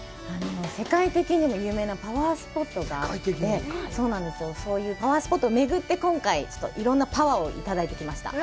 世界的にも有名なパワースポットがあって、そういうパワースポットをめぐって、今回いろんなパワーをいただいてきました。